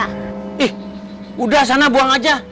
ih udah sana buang aja